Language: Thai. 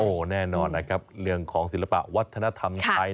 โอ้โหแน่นอนนะครับเรื่องของศิลปะวัฒนธรรมไทย